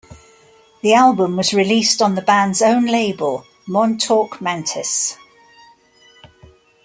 The album was released on the band's own label, Montauk Mantis.